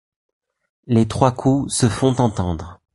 Les trois coups se font entendre.